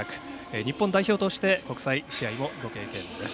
日本代表として国際大会もご経験です。